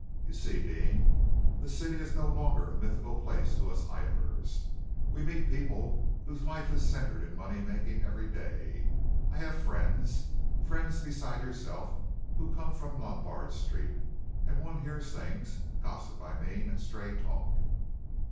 You see, Deane, the city is no longer a mythical place to us idlers. We meet people whose life is centred in money making, every day. I have friends, friends beside yourself, who come from Lombard Street, and one hears things, gossip, I mean, and stray talk."